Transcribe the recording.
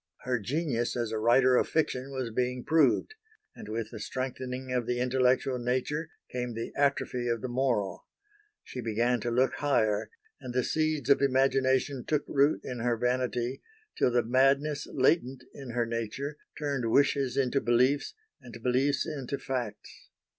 Her genius as a writer of fiction was being proved; and with the strengthening of the intellectual nature came the atrophy of the moral. She began to look higher; and the seeds of imagination took root in her vanity till the madness latent in her nature turned wishes into beliefs and beliefs into facts.